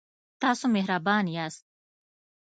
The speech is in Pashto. تاسو مهربان یاست